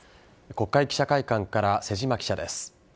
国会記者会館から瀬島記者です。